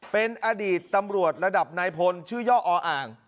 เป็นอดีตตำรวจระดับนายพลชื่อย่ออ่าง